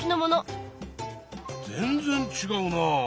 全然ちがうなあ！